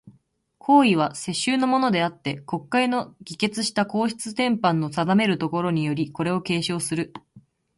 皇位は、世襲のものであつて、国会の議決した皇室典範の定めるところにより、これを継承する。